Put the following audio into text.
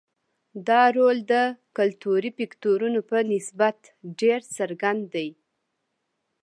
دا رول د کلتوري فکټورونو په نسبت ډېر څرګند دی.